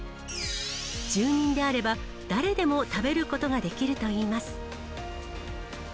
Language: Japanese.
住人であれば誰でも食べることができるといいます。